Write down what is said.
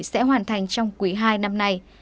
sẽ hoàn thành trong quý hai năm nay